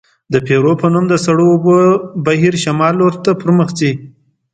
د پیرو په نوم د سړو اوبو بهیر شمال لورته پرمخ ځي.